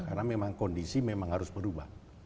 karena memang kondisi memang harus berubah